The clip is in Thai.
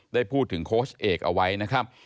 ได้พูดถึงโค้ชเอกเอาไว้นะครับ